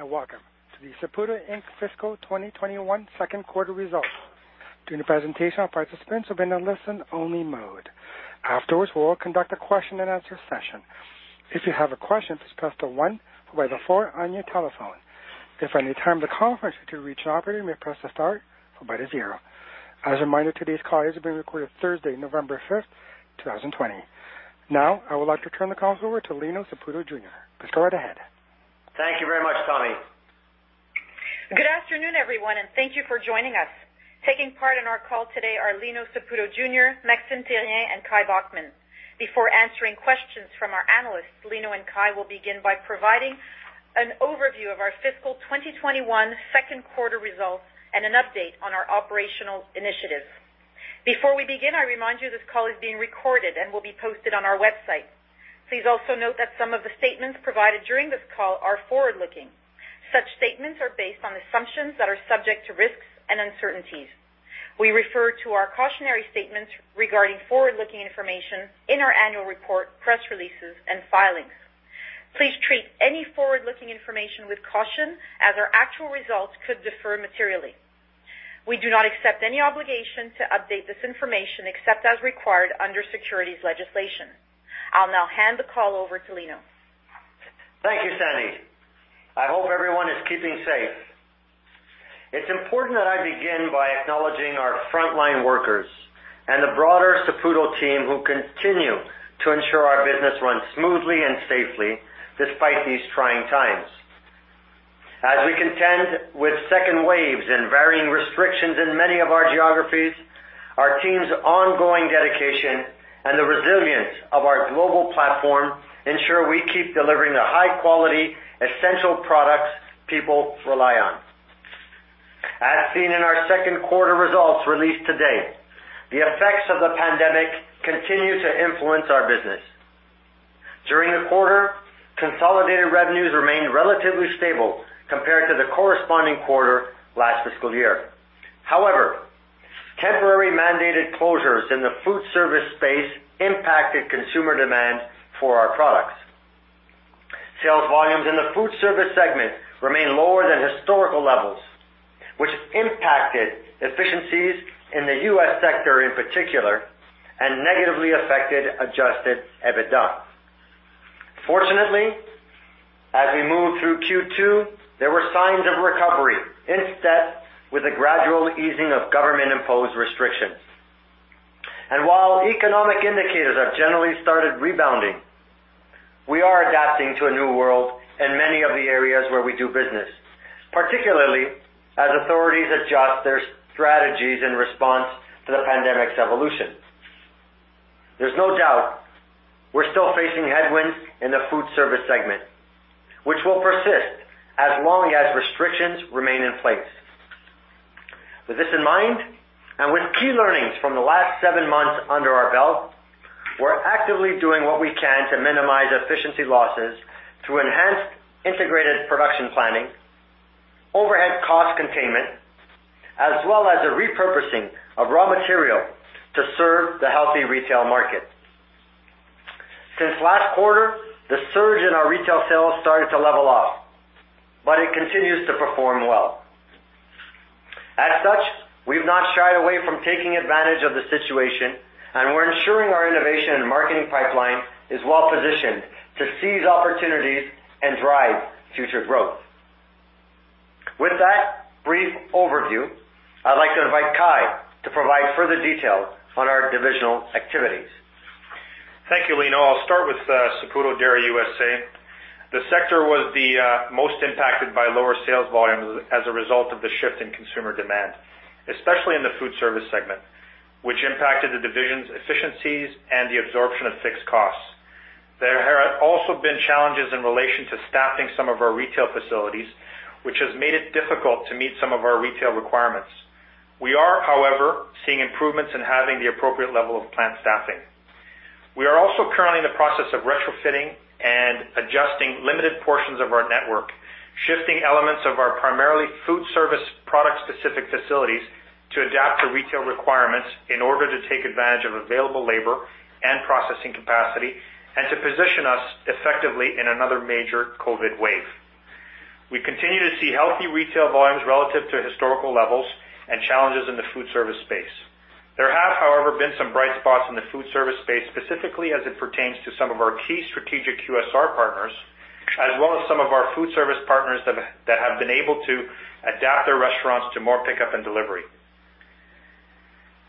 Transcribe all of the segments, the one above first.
Good evening, welcome to the Saputo Inc. Fiscal 2021 Q2 Results. During the presentation, all participants will be in a listen-only mode. Afterwards, we will conduct a question-and-answer session. If you have a question, please press the one followed by the four on your telephone. If at any time during the conference you do reach an operator, you may press the star followed by the zero. As a reminder, today's call is being recorded Thursday, November 5th, 2020. I would like to turn the call over to Lino Saputo Jr. Please go right ahead. Thank you very much, Tommy. Good afternoon, everyone, and thank you for joining us. Taking part in our call today are Lino Saputo, Jr., Maxime Therrien, and Kai Bockmann. Before answering questions from our analysts, Lino and Kai will begin by providing an overview of our fiscal 2021 Q2 results and an update on our operational initiatives. Before we begin, I remind you this call is being recorded and will be posted on our website. Please also note that some of the statements provided during this call are forward-looking. Such statements are based on assumptions that are subject to risks and uncertainties. We refer to our cautionary statements regarding forward-looking information in our annual report, press releases, and filings. Please treat any forward-looking information with caution, as our actual results could differ materially. We do not accept any obligation to update this information except as required under securities legislation. I'll now hand the call over to Lino. Thank you, Sandy. I hope everyone is keeping safe. It's important that I begin by acknowledging our frontline workers and the broader Saputo team who continue to ensure our business runs smoothly and safely despite these trying times. As we contend with second waves and varying restrictions in many of our geographies, our team's ongoing dedication and the resilience of our global platform ensure we keep delivering the high-quality, essential products people rely on. As seen in our Q2 results released today, the effects of the pandemic continue to influence our business. During the quarter, consolidated revenues remained relatively stable compared to the corresponding quarter last fiscal year. Temporary mandated closures in the food service space impacted consumer demand for our products. Sales volumes in the food service segment remain lower than historical levels, which impacted efficiencies in the U.S. sector in particular and negatively affected adjusted EBITDA. Fortunately, as we moved through Q2, there were signs of recovery in step with the gradual easing of government-imposed restrictions. While economic indicators have generally started rebounding, we are adapting to a new world in many of the areas where we do business, particularly as authorities adjust their strategies in response to the pandemic's evolution. There's no doubt we're still facing headwinds in the food service segment, which will persist as long as restrictions remain in place. With this in mind, and with key learnings from the last seven months under our belt, we're actively doing what we can to minimize efficiency losses through enhanced integrated production planning, overhead cost containment, as well as the repurposing of raw material to serve the healthy retail market. Since last quarter, the surge in our retail sales started to level off, but it continues to perform well. As such, we've not shied away from taking advantage of the situation, and we're ensuring our innovation and marketing pipeline is well-positioned to seize opportunities and drive future growth. With that brief overview, I'd like to invite Kai to provide further details on our divisional activities. Thank you, Lino. I'll start with Saputo Dairy USA. The sector was the most impacted by lower sales volumes as a result of the shift in consumer demand, especially in the food service segment, which impacted the division's efficiencies and the absorption of fixed costs. There have also been challenges in relation to staffing some of our retail facilities, which has made it difficult to meet some of our retail requirements. We are, however, seeing improvements in having the appropriate level of plant staffing. We are also currently in the process of retrofitting and adjusting limited portions of our network, shifting elements of our primarily food service product-specific facilities to adapt to retail requirements in order to take advantage of available labor and processing capacity and to position us effectively in another major COVID wave. We continue to see healthy retail volumes relative to historical levels and challenges in the food service space. There have, however, been some bright spots in the food service space, specifically as it pertains to some of our key strategic QSR partners, as well as some of our food service partners that have been able to adapt their restaurants to more pickup and delivery.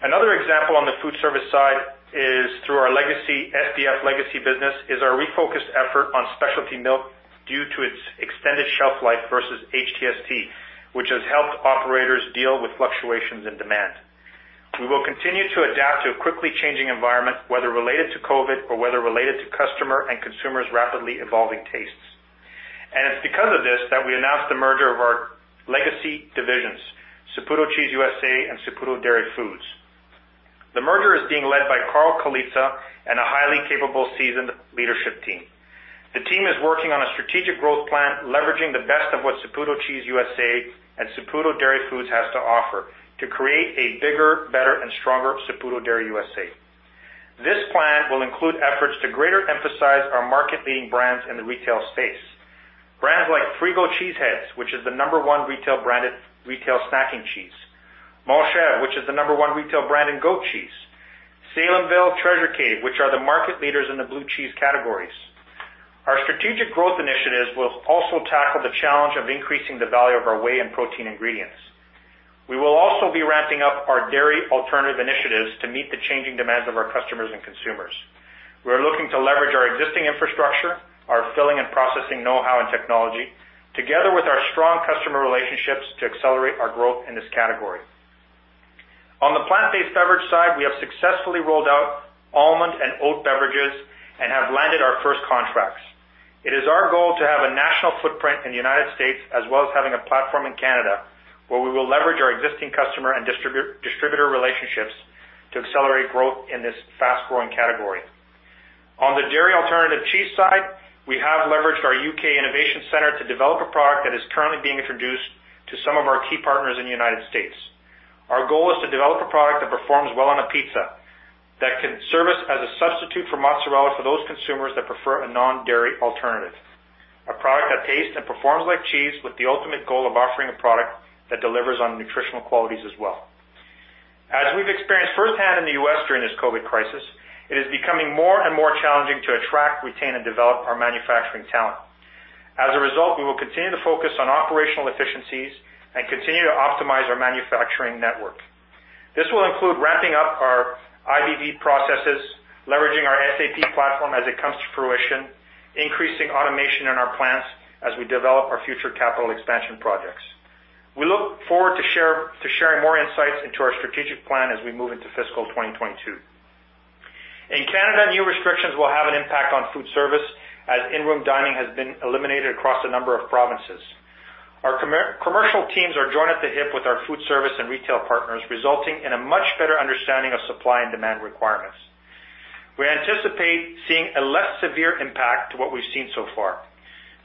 Another example on the food service side is through our SDF legacy business is our refocused effort on specialty milk due to its extended shelf life versus HTST, which has helped operators deal with fluctuations in demand. We will continue to adapt to a quickly changing environment, whether related to COVID or whether related to customer and consumers' rapidly evolving tastes. It's because of this that we announced the merger of our legacy divisions, Saputo Cheese USA and Saputo Dairy Foods. The merger is being led by Carl Colizza and a highly capable, seasoned leadership team. The team is working on a strategic growth plan, leveraging the best of what Saputo Cheese USA and Saputo Dairy Foods has to offer to create a bigger, better, and stronger Saputo Dairy USA. This plan will include efforts to greater emphasize our market-leading brands in the retail space. Brands like Frigo Cheese Heads, which is the number one retail branded retail snacking cheese. Montchevre, which is the number one retail brand in goat cheese. Salemville, Treasure Cave, which are the market leaders in the blue cheese categories. Our strategic growth initiatives will also tackle the challenge of increasing the value of our whey and protein ingredients. We will also be ramping up our dairy alternative initiatives to meet the changing demands of our customers and consumers. We're looking to leverage our existing infrastructure, our filling and processing know-how and technology, together with our strong customer relationships to accelerate our growth in this category. On the plant-based beverage side, we have successfully rolled out almond and oat beverages and have landed our first contracts. It is our goal to have a national footprint in the U.S. as well as having a platform in Canada, where we will leverage our existing customer and distributor relationships to accelerate growth in this fast-growing category. On the dairy alternative cheese side, we have leveraged our U.K. innovation center to develop a product that is currently being introduced to some of our key partners in the U.S. Our goal is to develop a product that performs well on a pizza, that can serve as a substitute for mozzarella for those consumers that prefer a non-dairy alternative. A product that tastes and performs like cheese with the ultimate goal of offering a product that delivers on nutritional qualities as well. As we've experienced firsthand in the U.S. during this COVID crisis, it is becoming more and more challenging to attract, retain, and develop our manufacturing talent. As a result, we will continue to focus on operational efficiencies and continue to optimize our manufacturing network. This will include ramping up our IBP processes, leveraging our SAP platform as it comes to fruition, increasing automation in our plants as we develop our future capital expansion projects. We look forward to sharing more insights into our strategic plan as we move into fiscal 2022. In Canada, new restrictions will have an impact on food service, as in-room dining has been eliminated across a number of provinces. Our commercial teams are joined at the hip with our food service and retail partners, resulting in a much better understanding of supply and demand requirements. We anticipate seeing a less severe impact to what we've seen so far.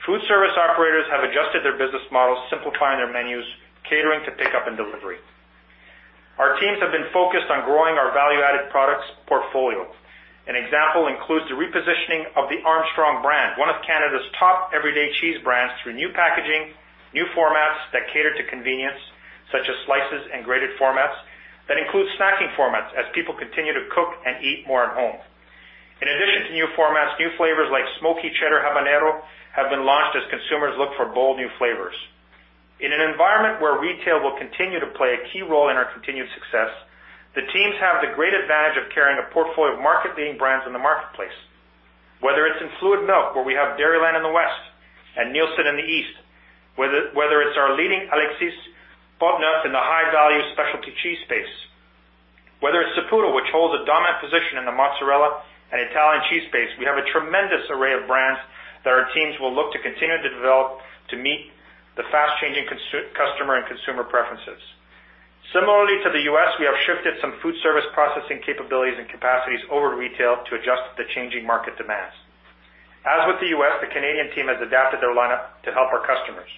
Food service operators have adjusted their business models, simplifying their menus, catering to pickup and delivery. Our teams have been focused on growing our value-added products portfolio. An example includes the repositioning of the Armstrong brand, one of Canada's top everyday cheese brands, through new packaging, new formats that cater to convenience, such as slices and grated formats, that include snacking formats as people continue to cook and eat more at home. In addition to new formats, new flavors like smoky cheddar habanero have been launched as consumers look for bold new flavors. In an environment where retail will continue to play a key role in our continued success, the teams have the great advantage of carrying a portfolio of market-leading brands in the marketplace. Whether it's in fluid milk, where we have Dairyland in the West and Neilson in the East, whether it's our leading Alexis de Portneuf in the high-value specialty cheese space, whether it's Saputo, which holds a dominant position in the mozzarella and Italian cheese space, we have a tremendous array of brands that our teams will look to continue to develop to meet the fast-changing customer and consumer preferences. Similarly to the U.S., we have shifted some food service processing capabilities and capacities over to retail to adjust to the changing market demands. As with the U.S., the Canadian team has adapted their lineup to help our customers.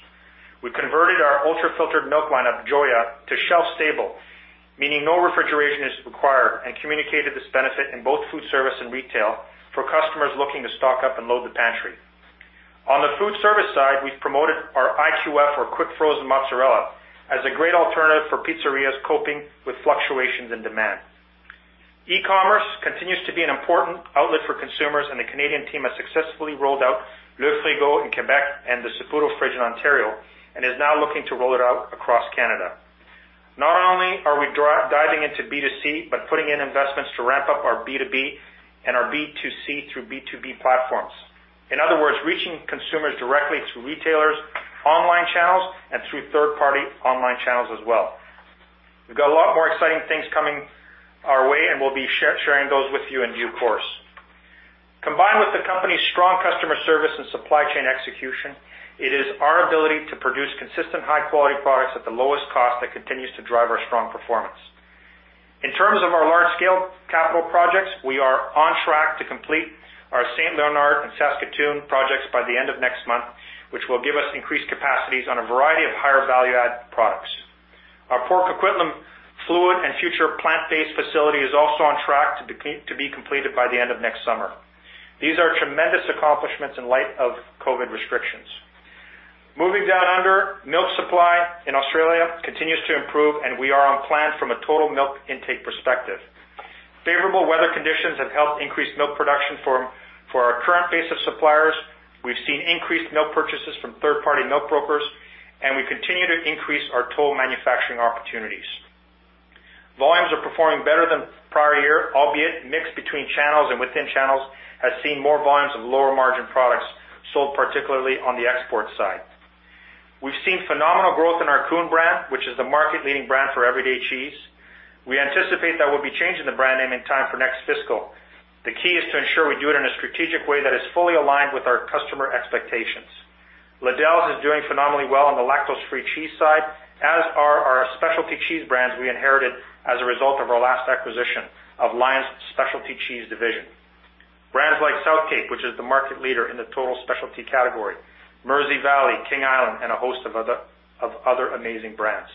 We've converted our ultra-filtered milk lineup, Joyya, to shelf stable, meaning no refrigeration is required, and communicated this benefit in both food service and retail for customers looking to stock up and load the pantry. On the food service side, we've promoted our IQF or quick frozen mozzarella as a great alternative for pizzerias coping with fluctuations in demand. E-commerce continues to be an important outlet for consumers. The Canadian team has successfully rolled out Le Frigo in Quebec and the Saputo Fridge in Ontario and is now looking to roll it out across Canada. Not only are we diving into B2C, but putting in investments to ramp up our B2B and our B2C through B2B platforms. In other words, reaching consumers directly through retailers' online channels and through third-party online channels as well. We've got a lot more exciting things coming our way, and we'll be sharing those with you in due course. Combined with the company's strong customer service and supply chain execution, it is our ability to produce consistent high-quality products at the lowest cost that continues to drive our strong performance. In terms of our large-scale capital projects, we are on track to complete our Saint-Leonard and Saskatoon projects by the end of next month, which will give us increased capacities on a variety of higher value-add products. Our Port Coquitlam fluid and future plant-based facility is also on track to be completed by the end of next summer. These are tremendous accomplishments in light of COVID restrictions. Moving down under, milk supply in Australia continues to improve, and we are on plan from a total milk intake perspective. Favorable weather conditions have helped increase milk production for our current base of suppliers. We've seen increased milk purchases from third-party milk brokers, and we continue to increase our total manufacturing opportunities. Volumes are performing better than prior year, albeit mixed between channels and within channels, has seen more volumes of lower margin products sold, particularly on the export side. We've seen phenomenal growth in our Coon brand, which is the market-leading brand for everyday cheese. We anticipate that we'll be changing the brand name in time for next fiscal. The key is to ensure we do it in a strategic way that is fully aligned with our customer expectations. Liddells is doing phenomenally well on the lactose-free cheese side, as are our specialty cheese brands we inherited as a result of our last acquisition of Lion's Specialty Cheese Division. ButterKathe, which is the market leader in the total specialty category, Mersey Valley, King Island, and a host of other amazing brands.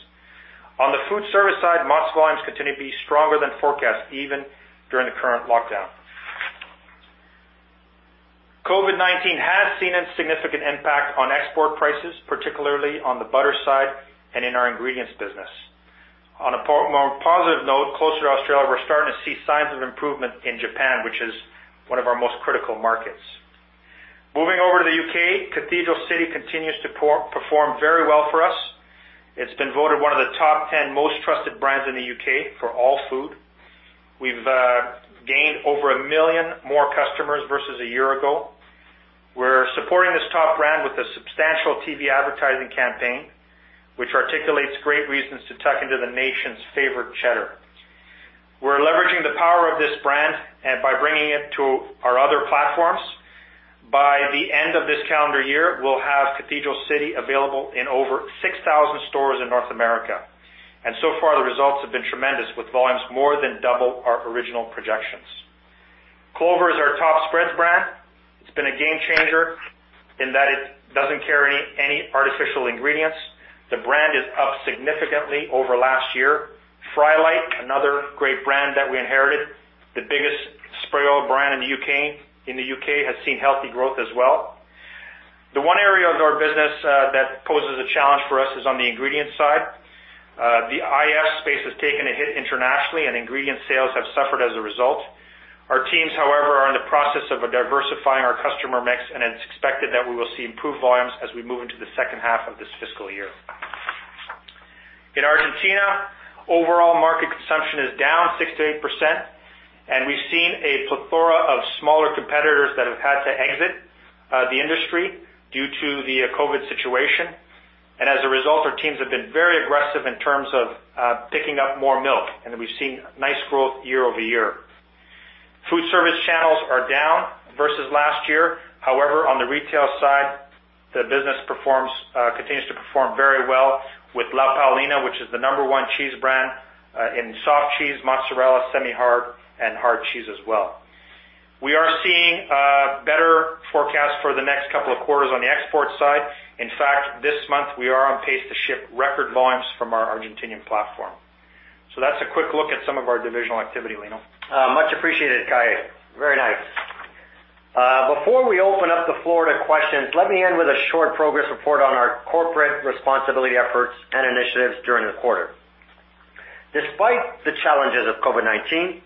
On the food service side, mozz volumes continue to be stronger than forecast even during the current lockdown. COVID-19 has seen a significant impact on export prices, particularly on the butter side and in our ingredients business. On a more positive note, closer to Australia, we're starting to see signs of improvement in Japan, which is one of our most critical markets. Moving over to the U.K., Cathedral City continues to perform very well for us. It's been voted one of the top 10 most trusted brands in the U.K. for all food. We've gained over a million more customers versus a year ago. We're supporting this top brand with a substantial TV advertising campaign, which articulates great reasons to tuck into the nation's favorite cheddar. We're leveraging the power of this brand by bringing it to our other platforms. By the end of this calendar year, we'll have Cathedral City available in over 6,000 stores in North America. So far, the results have been tremendous, with volumes more than double our original projections. Clover is our top spreads brand. It's been a game changer in that it doesn't carry any artificial ingredients. The brand is up significantly over last year. Frylight, another great brand that we inherited, the biggest spray oil brand in the U.K., has seen healthy growth as well. The one area of our business that poses a challenge for us is on the ingredients side. The IF space has taken a hit internationally and ingredient sales have suffered as a result. Our teams, however, are in the process of diversifying our customer mix, and it's expected that we will see improved volumes as we move into the H2 of this fiscal year. In Argentina, overall market consumption is down 6%-8%, and we've seen a plethora of smaller competitors that have had to exit the industry due to the COVID situation. As a result, our teams have been very aggressive in terms of picking up more milk, and we've seen nice growth year-over-year. Food service channels are down versus last year. However, on the retail side, the business continues to perform very well with La Paulina, which is the number one cheese brand in soft cheese, mozzarella, semi-hard, and hard cheese as well. We are seeing a better forecast for the next couple of quarters on the export side. In fact, this month, we are on pace to ship record volumes from our Argentinian platform. That's a quick look at some of our divisional activity, Lino. Much appreciated, Kai. Very nice. Before we open up the floor to questions, let me end with a short progress report on our corporate responsibility efforts and initiatives during the quarter. Despite the challenges of COVID-19,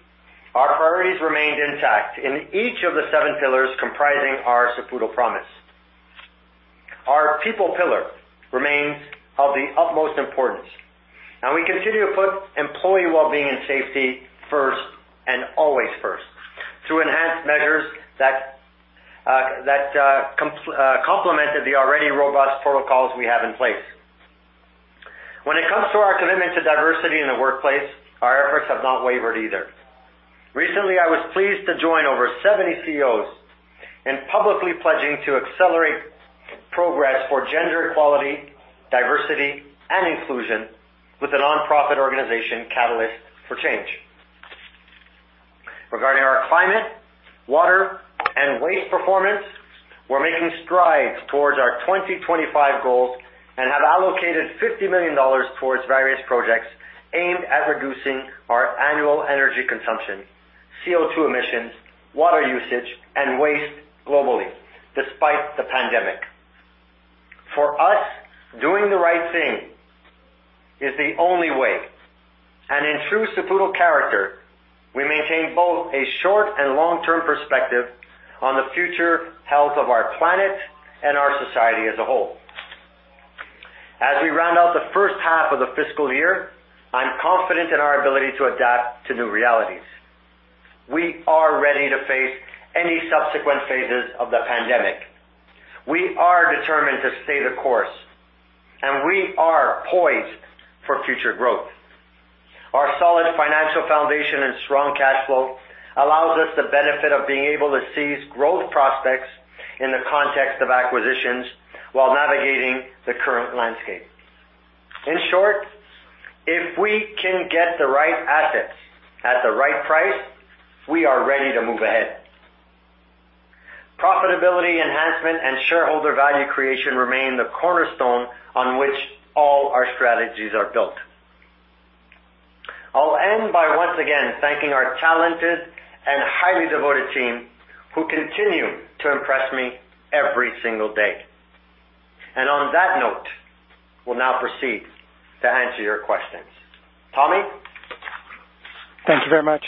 our priorities remained intact in each of the seven pillars comprising our Saputo Promise. Our people pillar remains of the utmost importance, and we continue to put employee well-being and safety first, and always first, through enhanced measures that complemented the already robust protocols we have in place. When it comes to our commitment to diversity in the workplace, our efforts have not wavered either. Recently, I was pleased to join over 70 CEOs in publicly pledging to accelerate progress for gender equality, diversity, and inclusion with the nonprofit organization Catalyst. Regarding our climate, water, and waste performance, we're making strides towards our 2025 goals and have allocated 50 million dollars towards various projects aimed at reducing our annual energy consumption, CO2 emissions, water usage, and waste globally, despite the pandemic. For us, doing the right thing is the only way, and in true Saputo character, we maintain both a short and long-term perspective on the future health of our planet and our society as a whole. As we round out the H1 of the fiscal year, I'm confident in our ability to adapt to new realities. We are ready to face any subsequent phases of the pandemic. We are determined to stay the course, and we are poised for future growth. Our solid financial foundation and strong cash flow allows us the benefit of being able to seize growth prospects in the context of acquisitions while navigating the current landscape. In short, if we can get the right assets at the right price, we are ready to move ahead. Profitability enhancement and shareholder value creation remain the cornerstone on which all our strategies are built. I'll end by once again thanking our talented and highly devoted team who continue to impress me every single day. On that note, we'll now proceed to answer your questions. Tommy? Thank you very much.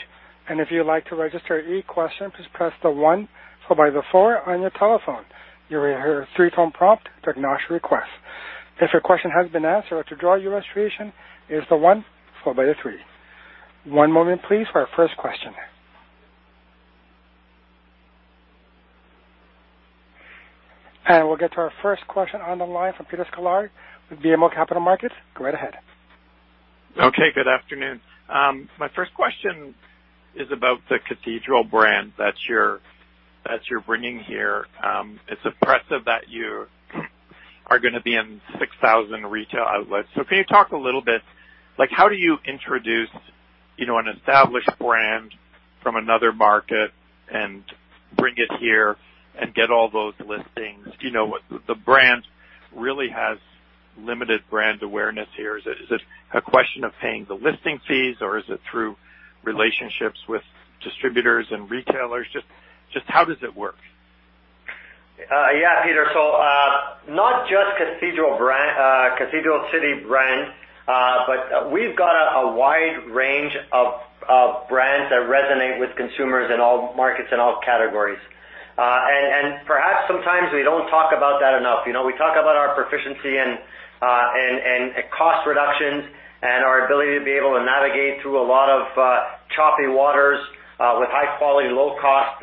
If you'd like to register any question, please press the one followed by the four on your telephone. You will hear a three-tone prompt to acknowledge your request. If your question has been answered or to withdraw your registration, it's the one followed by the three. One moment please for our first question. We'll get to our first question on the line from Peter Sklar with BMO Capital Markets. Go right ahead. Okay, good afternoon. My first question is about the Cathedral brand that you're bringing here. It's impressive that you. are going to be in 6,000 retail outlets. Can you talk a little bit, how do you introduce an established brand from another market and bring it here and get all those listings? The brand really has limited brand awareness here. Is it a question of paying the listing fees, or is it through relationships with distributors and retailers? Just how does it work? Peter. Not just Cathedral City brand, but we've got a wide range of brands that resonate with consumers in all markets, in all categories. Perhaps sometimes we don't talk about that enough. We talk about our proficiency and cost reductions and our ability to be able to navigate through a lot of choppy waters, with high quality, low cost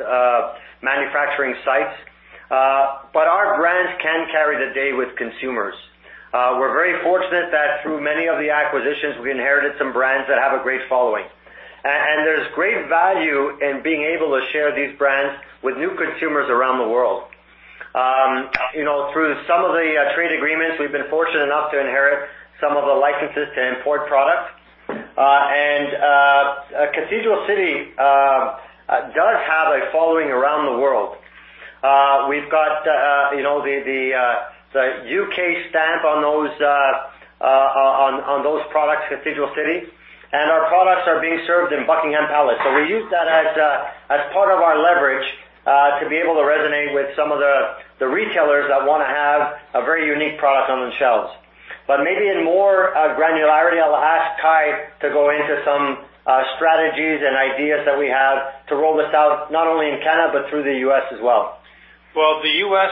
manufacturing sites. Our brands can carry the day with consumers. We're very fortunate that through many of the acquisitions, we inherited some brands that have a great following. There's great value in being able to share these brands with new consumers around the world. Through some of the trade agreements, we've been fortunate enough to inherit some of the licenses to import products. Cathedral City does have a following around the world. We've got the U.K. stamp on those products, Cathedral City, and our products are being served in Buckingham Palace. We use that as part of our leverage, to be able to resonate with some of the retailers that want to have a very unique product on the shelves. Maybe in more granularity, I'll ask Kai to go into some strategies and ideas that we have to roll this out, not only in Canada, but through the U.S. as well. The U.S.,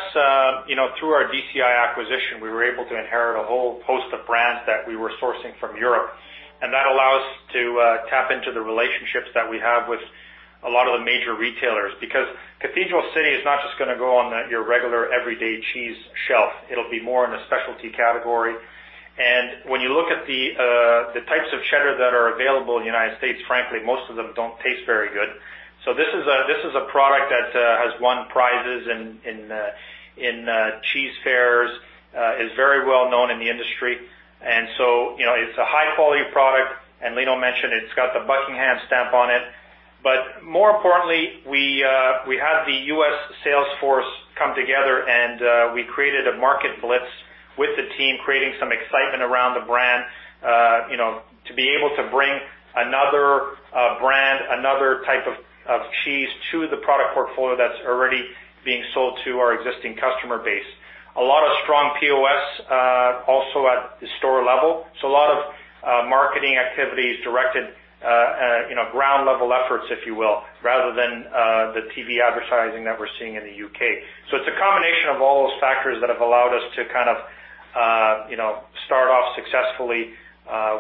through our DCI acquisition, we were able to inherit a whole host of brands that we were sourcing from Europe. That allowed us to tap into the relationships that we have with a lot of the major retailers. Cathedral City is not just going to go on your regular, everyday cheese shelf. It'll be more in a specialty category. When you look at the types of cheddar that are available in the United States, frankly, most of them don't taste very good. This is a product that has won prizes in cheese fairs, is very well known in the industry. It's a high-quality product, and Lino mentioned it's got the Buckingham stamp on it. More importantly, we had the U.S. sales force come together, and we created a market blitz with the team, creating some excitement around the brand, to be able to bring another brand, another type of cheese to the product portfolio that's already being sold to our existing customer base. A lot of strong POS, also at the store level. A lot of marketing activities directed, ground level efforts, if you will, rather than the TV advertising that we're seeing in the U.K. It's a combination of all those factors that have allowed us to kind of start off successfully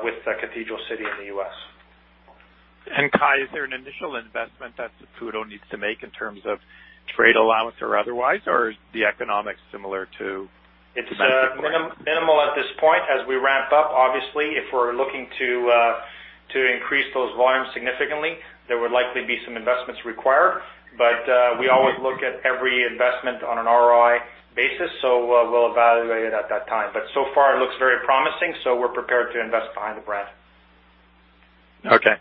with Cathedral City in the U.S. Kai, is there an initial investment that Saputo needs to make in terms of trade allowance or otherwise, or is the economics similar to? It's minimal at this point. As we ramp up, obviously, if we're looking to increase those volumes significantly, there would likely be some investments required. We always look at every investment on an ROI basis, so we'll evaluate it at that time. So far, it looks very promising, so we're prepared to invest behind the brand. Okay.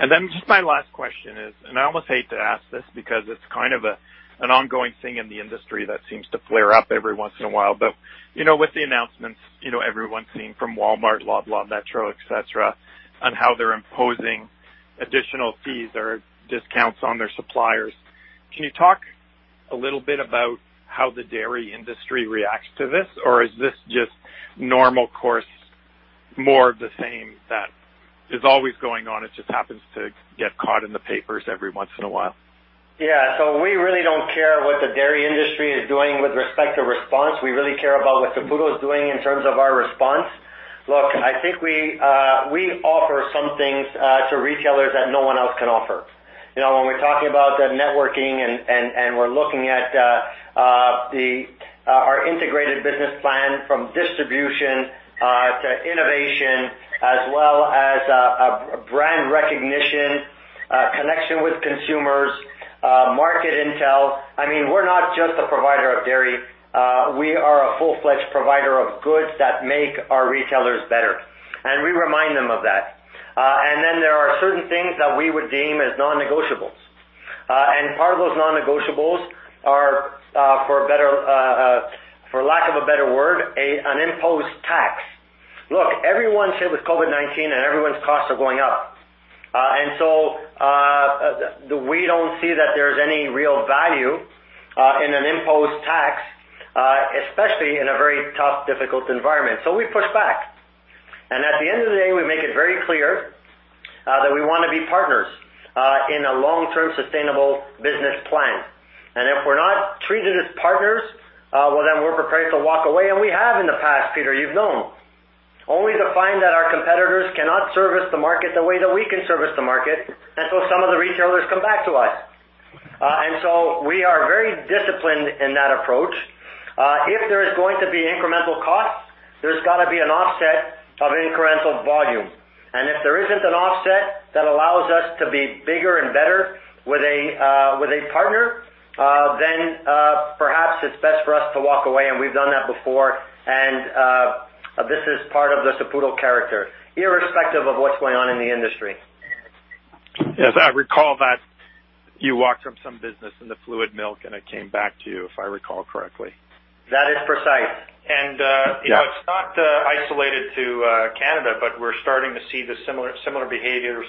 Then just my last question is, and I almost hate to ask this because it's kind of an ongoing thing in the industry that seems to flare up every once in a while. With the announcements everyone's seeing from Walmart, Loblaw, Metro, et cetera, on how they're imposing additional fees or discounts on their suppliers, can you talk a little bit about how the dairy industry reacts to this? Is this just normal course, more of the same that is always going on, it just happens to get caught in the papers every once in a while? Yeah. We really don't care what the dairy industry is doing with respect to response. We really care about what Saputo is doing in terms of our response. Look, I think we offer some things to retailers that no one else can offer. When we're talking about the networking and we're looking at our integrated business plan from distribution to innovation as well as brand recognition, connection with consumers, market intel. We're not just a provider of dairy. We are a full-fledged provider of goods that make our retailers better, and we remind them of that. Then there are certain things that we would deem as non-negotiables. Part of those non-negotiables are, for lack of a better word, an imposed tax. Look, everyone's hit with COVID-19, and everyone's costs are going up. We don't see that there's any real value in an imposed tax, especially in a very tough, difficult environment. We push back. At the end of the day, we make it very clear that we want to be partners in a long-term, sustainable business plan. If we're not treated as partners, well, then we're prepared to walk away, and we have in the past, Peter, you've known. Only to find that our competitors cannot service the market the way that we can service the market, some of the retailers come back to us. We are very disciplined in that approach. If there is going to be incremental costs, there's got to be an offset of incremental volume. If there isn't an offset-allows us to be bigger and better with a partner, then perhaps it's best for us to walk away, and we've done that before, and this is part of the Saputo character, irrespective of what's going on in the industry. Yes, I recall that you walked from some business in the fluid milk, and it came back to you, if I recall correctly. That is precise. It's not isolated to Canada. We're starting to see the similar behaviors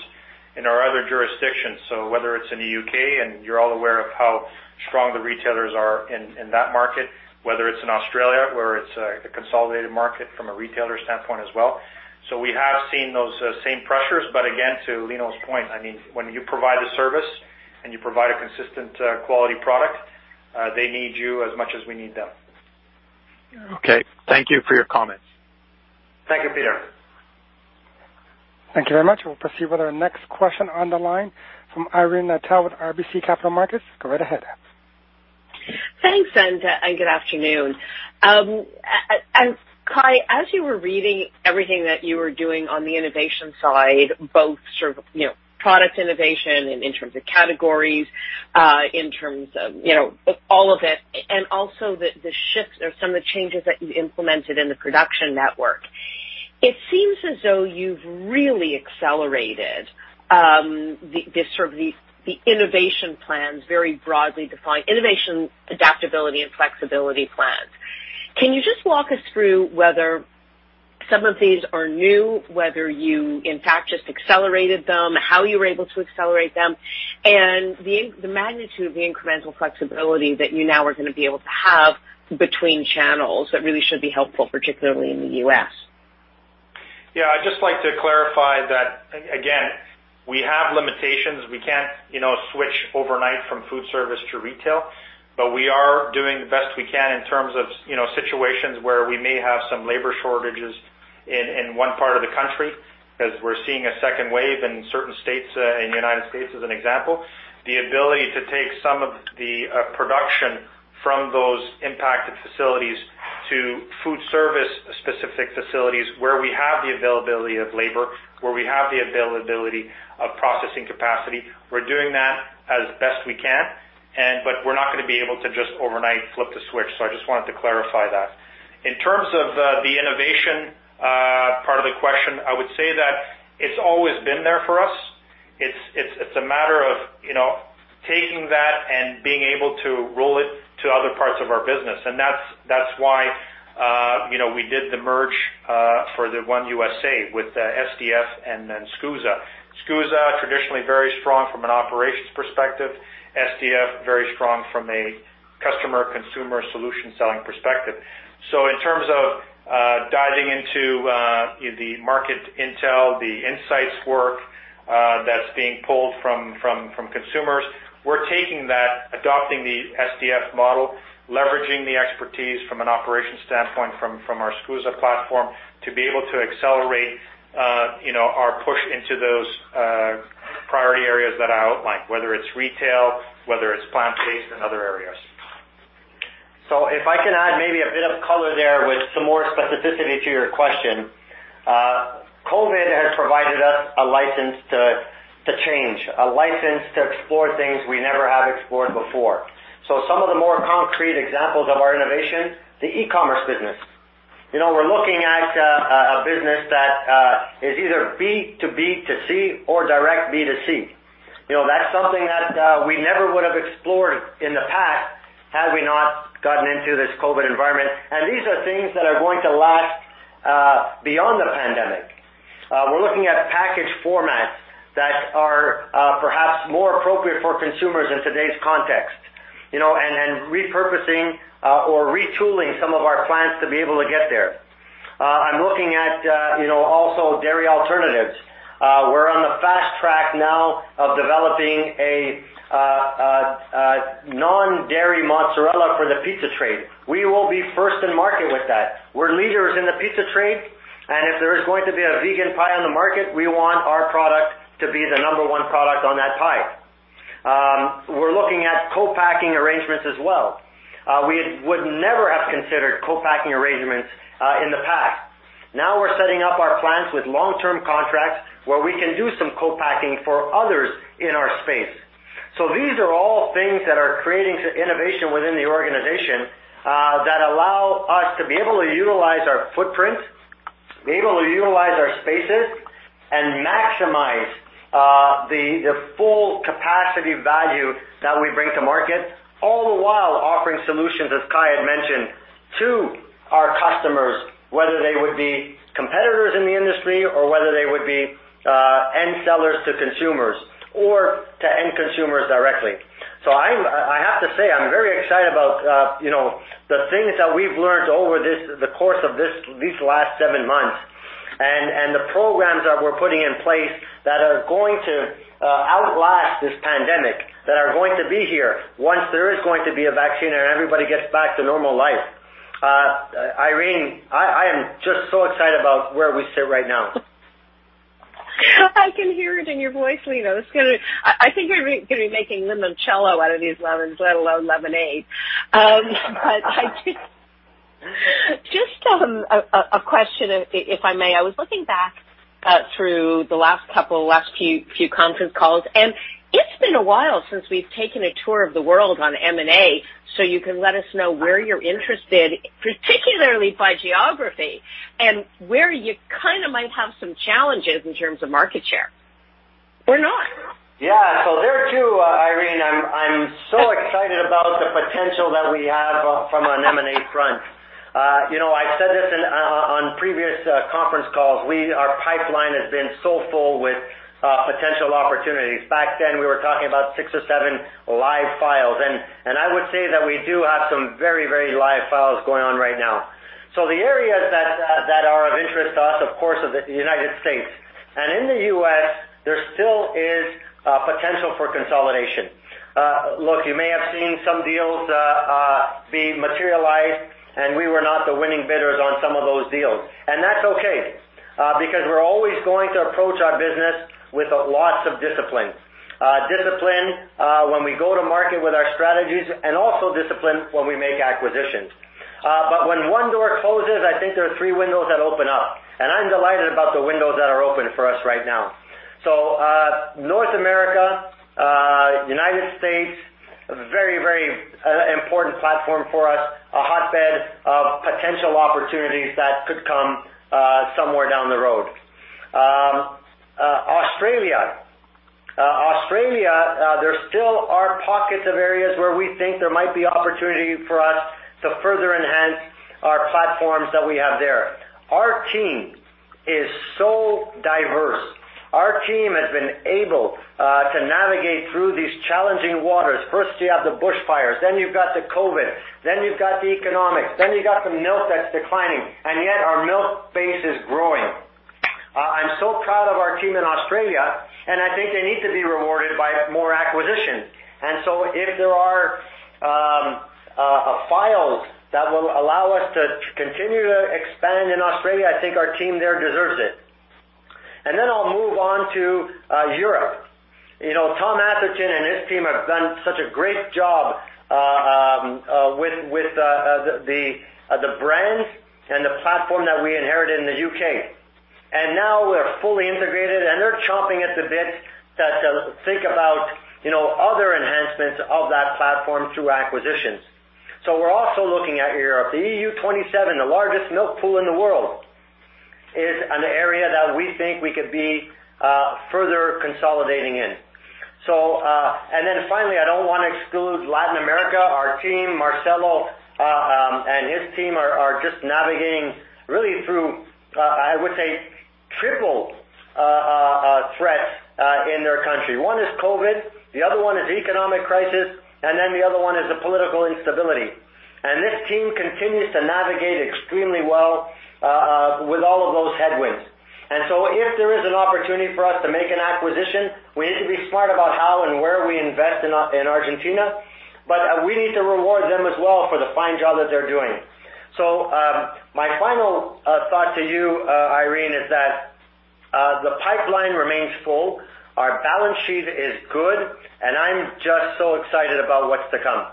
in our other jurisdictions. Whether it's in the U.K., you're all aware of how strong the retailers are in that market, whether it's in Australia, where it's a consolidated market from a retailer standpoint as well. We have seen those same pressures. Again, to Lino's point, when you provide a service and you provide a consistent quality product, they need you as much as we need them. Okay. Thank you for your comments. Thank you, Peter. Thank you very much. We'll proceed with our next question on the line from Irene Nattel with RBC Capital Markets. Go right ahead. Thanks, and good afternoon. Kai, as you were reading everything that you were doing on the innovation side, both product innovation and in terms of categories, in terms of all of it, and also the shifts or some of the changes that you implemented in the production network, it seems as though you've really accelerated the innovation plans, very broadly defined, innovation, adaptability, and flexibility plans. Can you just walk us through whether some of these are new, whether you in fact just accelerated them, how you were able to accelerate them, and the magnitude of the incremental flexibility that you now are going to be able to have between channels that really should be helpful, particularly in the U.S.? Yeah. I'd just like to clarify that, again, we have limitations. We can't switch overnight from food service to retail, but we are doing the best we can in terms of situations where we may have some labor shortages in one part of the country, as we're seeing a second wave in certain states in the U.S., as an example. The ability to take some of the production from those impacted facilities to food service-specific facilities where we have the availability of labor, where we have the availability of processing capacity, we're doing that as best we can, but we're not going to be able to just overnight flip the switch. I just wanted to clarify that. In terms of the innovation part of the question, I would say that it's always been there for us. It's a matter of taking that and being able to roll it to other parts of our business. That's why we did the merge for the one U.S.A. with SDF and then SCUSA. SCUSA, traditionally very strong from an operations perspective, SDF, very strong from a customer, consumer solution selling perspective. In terms of diving into the market intel, the insights work that's being pulled from consumers, we're taking that, adopting the SDF model, leveraging the expertise from an operations standpoint from our SCUSA platform to be able to accelerate our push into those priority areas that I outlined, whether it's retail, whether it's plant-based and other areas. If I can add maybe a bit of color there with some more specificity to your question. COVID has provided us a license to change, a license to explore things we never have explored before. Some of the more concrete examples of our innovation, the e-commerce business. We're looking at a business that is either B2B2C or direct B2C. That's something that we never would have explored in the past had we not gotten into this COVID environment, and these are things that are going to last beyond the pandemic. We're looking at package formats that are perhaps more appropriate for consumers in today's context, and repurposing or retooling some of our plants to be able to get there. I'm looking at also dairy alternatives. We're on the fast track now of developing a non-dairy mozzarella for the pizza trade. We will be first in market with that. We're leaders in the pizza trade, and if there is going to be a vegan pie on the market, we want our product to be the number 1 product on that pie. We're looking at co-packing arrangements as well. We would never have considered co-packing arrangements in the past. Now we're setting up our plants with long-term contracts where we can do some co-packing for others in our space. These are all things that are creating innovation within the organization that allow us to be able to utilize our footprint, be able to utilize our spaces, and maximize the full capacity value that we bring to market, all the while offering solutions, as Kai had mentioned, to our customers, whether they would be competitors in the industry or whether they would be end sellers to consumers or to end consumers directly. I have to say, I'm very excited about the things that we've learned over the course of these last seven months and the programs that we're putting in place that are going to outlast this pandemic, that are going to be here once there is going to be a vaccine and everybody gets back to normal life. Irene, I am just so excited about where we sit right now. I can hear it in your voice, Lino. I think you're going to be making limoncello out of these lemons, let alone lemonade. A question, if I may. I was looking back through the last couple of conference calls, it's been a while since we've taken a tour of the world on M&A, you can let us know where you're interested, particularly by geography, and where you might have some challenges in terms of market share or not. Yeah. There, too, Irene, I'm so excited about the potential that we have from an M&A front. I said this on previous conference calls, our pipeline has been so full with potential opportunities. Back then, we were talking about six or seven live files, I would say that we do have some very live files going on right now. The areas that are of interest to us, of course, are the United States. In the U.S., there still is potential for consolidation. Look, you may have seen some deals being materialized, we were not the winning bidders on some of those deals. That's okay, because we're always going to approach our business with lots of discipline. Discipline when we go to market with our strategies and also discipline when we make acquisitions. When one door closes, I think there are three windows that open up, and I'm delighted about the windows that are open for us right now. North America, United States, a very important platform for us, a hotbed of potential opportunities that could come somewhere down the road. Australia. Australia, there still are pockets of areas where we think there might be opportunity for us to further enhance our platforms that we have there. Our team is so diverse. Our team has been able to navigate through these challenging waters. First you have the bushfires, then you've got the COVID, then you've got the economics, then you've got the milk that's declining, and yet our milk base is growing. I'm so proud of our team in Australia, and I think they need to be rewarded by more acquisition. If there are files that will allow us to continue to expand in Australia, I think our team there deserves it. Then I'll move on to Europe. Tom Atherton and his team have done such a great job with the brands and the platform that we inherited in the U.K. Now we're fully integrated, and they're chomping at the bit to think about other enhancements of that platform through acquisitions. We're also looking at Europe. The EU 27, the largest milk pool in the world, is an area that we think we could be further consolidating in. Finally, I don't want to exclude Latin America. Marcelo and his team are just navigating really through, I would say, triple threats in their country. One is COVID, the other one is economic crisis, and then the other one is the political instability. This team continues to navigate extremely well with all of those headwinds. If there is an opportunity for us to make an acquisition, we need to be smart about how and where we invest in Argentina, but we need to reward them as well for the fine job that they're doing. My final thought to you, Irene, is that the pipeline remains full. Our balance sheet is good, and I'm just so excited about what's to come.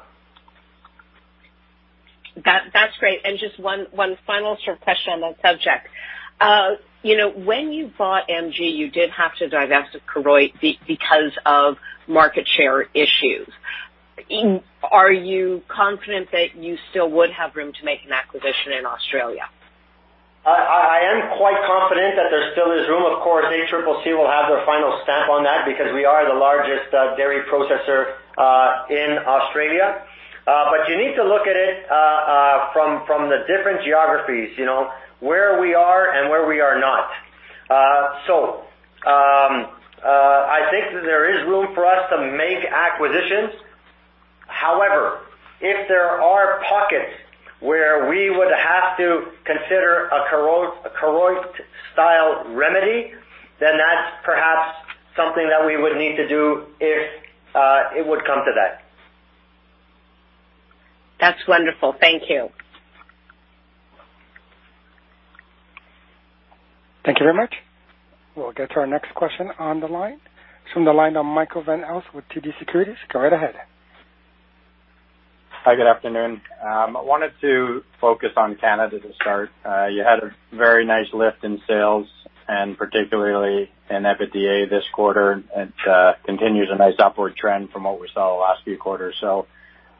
That's great. Just one final sort of question on that subject. When you bought MG, you did have to divest Koroit because of market share issues. Are you confident that you still would have room to make an acquisition in Australia? I am quite confident that there still is room. Of course, ACCC will have their final stamp on that because we are the largest dairy processor in Australia. You need to look at it from the different geographies, where we are and where we are not. I think that there is room for us to make acquisitions. However, if there are pockets where we would have to consider a Koroit-style remedy, then that's perhaps something that we would need to do if it would come to that. That's wonderful. Thank you. Thank you very much. We'll get to our next question on the line. It's from the line of Michael Van Aelst with TD Securities. Go right ahead. Hi, good afternoon. I wanted to focus on Canada to start. You had a very nice lift in sales and particularly in EBITDA this quarter, and it continues a nice upward trend from what we saw the last few quarters.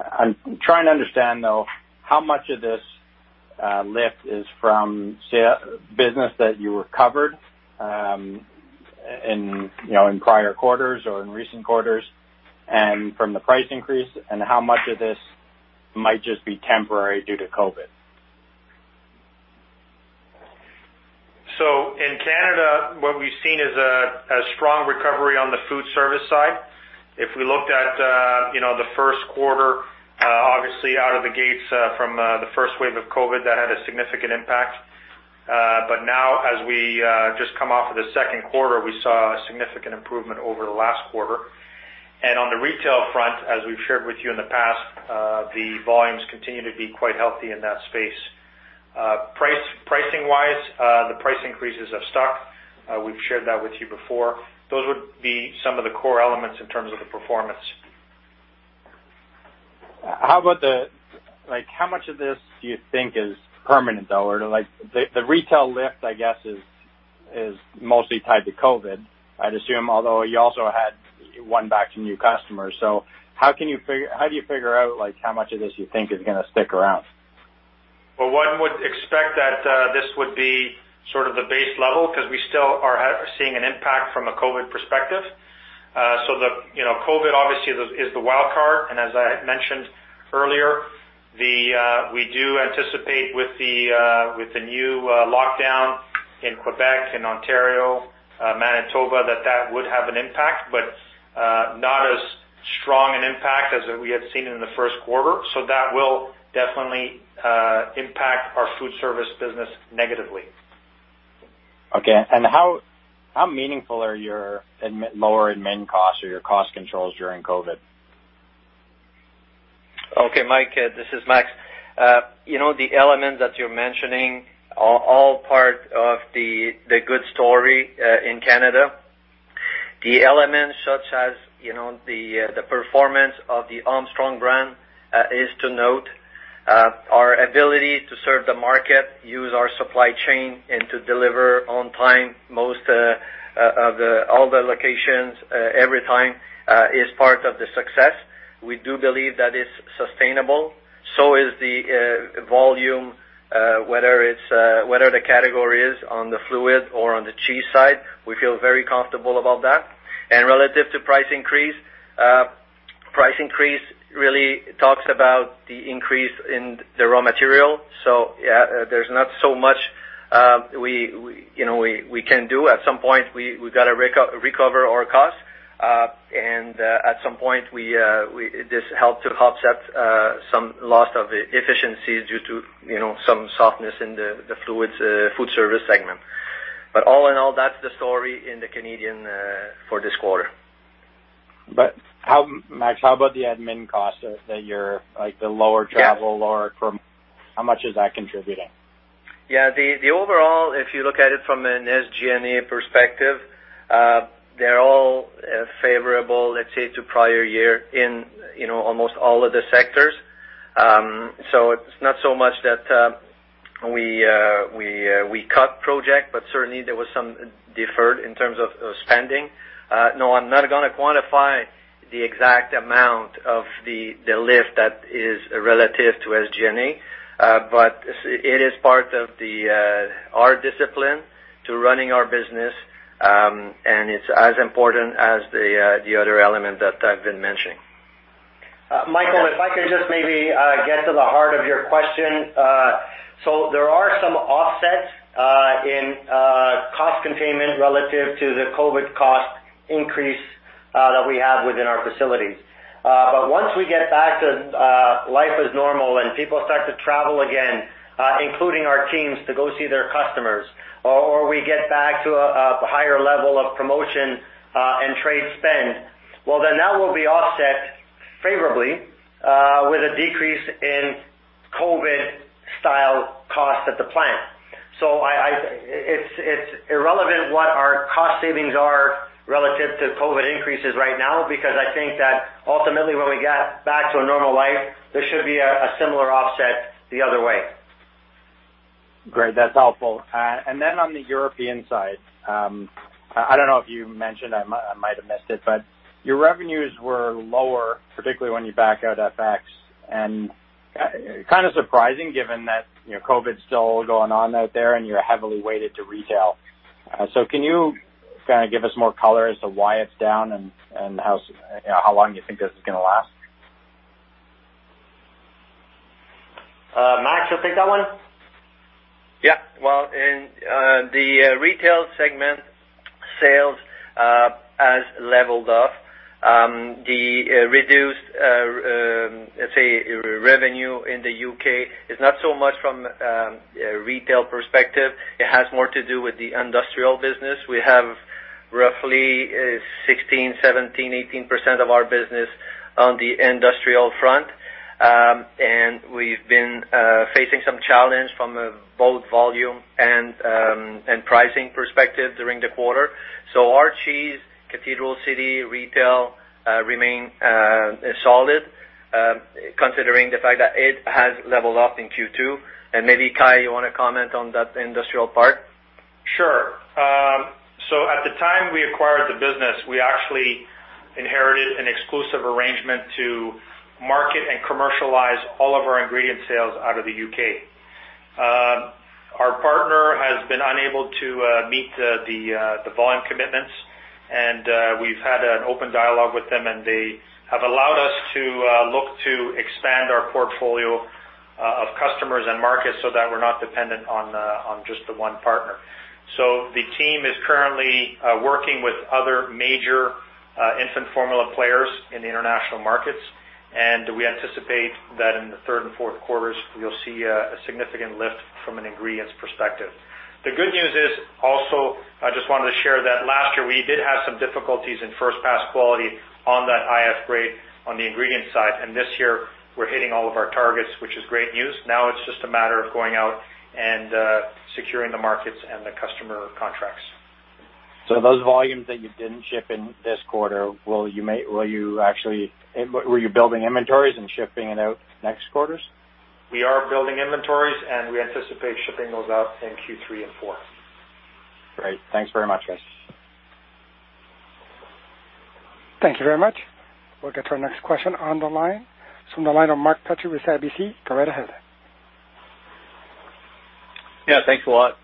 I'm trying to understand, though, how much of this lift is from business that you recovered in prior quarters or in recent quarters and from the price increase, and how much of this might just be temporary due to COVID? In Canada, what we've seen is a strong recovery on the food service side. If we looked at the Q1, obviously out of the gates from the first wave of COVID, that had a significant impact. But now as we just come off of the Q2, we saw a significant improvement over the last quarter. And on the retail front, as we've shared with you in the past, the volumes continue to be quite healthy in that space. Pricing-wise, the price increases have stuck. We've shared that with you before. Those would be some of the core elements in terms of the performance. How much of this do you think is permanent, though? The retail lift, I guess, is mostly tied to COVID, I'd assume, although you also had one back from new customers. How do you figure out how much of this you think is going to stick around? Well, one would expect that this would be sort of the base level, because we still are seeing an impact from a COVID perspective. COVID, obviously, is the wild card, and as I had mentioned earlier, we do anticipate with the new lockdown in Quebec, in Ontario, Manitoba, that that would have an impact, but not as strong an impact as we had seen in the Q1. That will definitely impact our food service business negatively. Okay. How meaningful are your lower admin costs or your cost controls during COVID? Okay, Mike, this is Max. The elements that you're mentioning are all part of the good story in Canada. The elements such as the performance of the Armstrong brand is to note. Our ability to serve the market, use our supply chain, and to deliver on time, most of all the locations every time is part of the success. We do believe that it's sustainable. So is the volume, whether the category is on the fluid or on the cheese side. We feel very comfortable about that. Relative to price increase, price increase really talks about the increase in the raw material. There's not so much we can do. At some point, we've got to recover our cost. At some point, this helped to offset some loss of efficiencies due to some softness in the food service segment. All in all, that's the story in the Canadian for this quarter. Max, how about the admin costs, like the lower travel? How much is that contributing? Yeah. The overall, if you look at it from an SG&A perspective, they're all favorable, let's say, to prior year in almost all of the sectors. It's not so much that we cut project, but certainly there was some deferred in terms of spending. No, I'm not going to quantify the exact amount of the lift that is relative to SG&A, but it is part of our discipline to running our business, and it's as important as the other element that I've been mentioning. Michael, if I could just maybe get to the heart of your question. There are some offsets in cost containment relative to the COVID cost increase that we have within our facilities. Once we get back to life as normal and people start to travel again, including our teams to go see their customers, or we get back to a higher level of promotion and trade spend, well, then that will be offset favorably with a decrease in COVID-style costs at the plant. It's irrelevant what our cost savings are relative to COVID increases right now, because I think that ultimately, when we get back to a normal life, there should be a similar offset the other way. Great. That's helpful. On the European side, I don't know if you mentioned, I might have missed it, but your revenues were lower, particularly when you back out FX, and kind of surprising given that COVID's still going on out there and you're heavily weighted to retail. Can you kind of give us more color as to why it's down and how long you think this is going to last? Max, you'll take that one? Yeah. Well, in the retail segment, sales has leveled off. The reduced, let's say, revenue in the U.K. is not so much from a retail perspective. It has more to do with the industrial business. We have roughly 16%, 17%, 18% of our business on the industrial front. We've been facing some challenge from both volume and pricing perspective during the quarter. Our cheese, Cathedral City retail remain solid, considering the fact that it has leveled off in Q2. Maybe, Kai, you want to comment on that industrial part? Sure. At the time we acquired the business, we actually inherited an exclusive arrangement to market and commercialize all of our ingredient sales out of the U.K. Our partner has been unable to meet the volume commitments, and we've had an open dialogue with them, and they have allowed us to look to expand our portfolio of customers and markets so that we're not dependent on just the one partner. The team is currently working with other major infant formula players in the international markets, and we anticipate that in the third and Q4s, we'll see a significant lift from an ingredients perspective. The good news is also, I just wanted to share that last year, we did have some difficulties in first-pass quality on that IF grade on the ingredient side, and this year we're hitting all of our targets, which is great news. Now it's just a matter of going out and securing the markets and the customer contracts. Those volumes that you didn't ship in this quarter, were you building inventories and shipping it out next quarters? We are building inventories, and we anticipate shipping those out in Q3 and Q4. Great. Thanks very much, guys. Thank you very much. We'll get to our next question on the line. It's from the line of Mark Petrie with CIBC. Go right ahead. Yeah, thanks a lot.